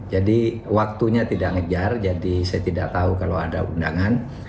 jadi waktunya tidak ngejar jadi saya tidak tahu kalau ada undangan